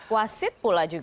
wasit pula juga